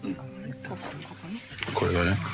これがね